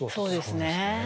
そうですね。